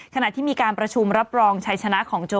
ขณะที่มีการประชุมรับรองชัยชนะของโจ